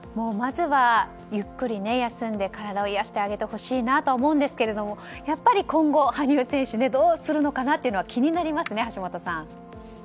まずはゆっくり休んで体を癒やしてあげてほしいなと思うんですがやっぱり、今後羽生選手どうするのかなとは気になりますよね、橋下さん。